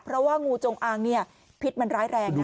เพราะว่างูจงอางพิษมันร้ายแรง